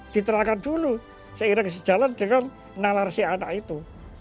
diterahkan dulu seiring sejalan dengan nalar si anak itu